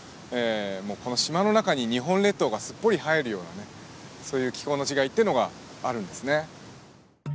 この島の中に日本列島がすっぽり入るようなねそういう気候の違いっていうのがあるんですね。